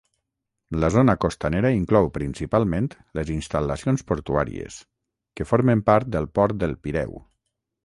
La zona costanera inclou principalment les instal·lacions portuàries, que formen part del Port del Pireu.